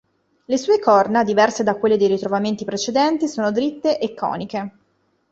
Le sue "corna", diverse da quelle dei ritrovamenti precedenti, sono dritte e coniche.